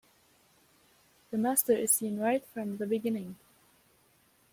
The master is seen right from the beginning.